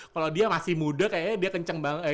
kalau dia masih muda kayaknya dia kenceng banget